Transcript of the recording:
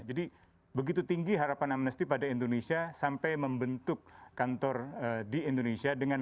jadi begitu tinggi harapan amnesty pada indonesia sampai membentuk kantor di indonesia dengan